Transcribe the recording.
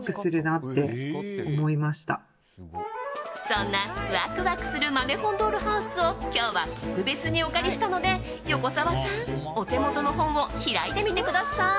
そんなワクワクする豆本ドールハウスを今日は特別にお借りしたので横澤さん、お手元の本を開いてみてください！